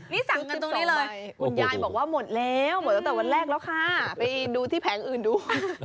นี่สั่งกันตรงนี้เลยคุณยายบอกว่าหมดแล้วหมดตั้งแต่วันแรกแล้วค่ะไปดูที่แผงอื่นดู